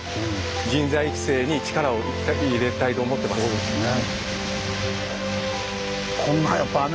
そうですね。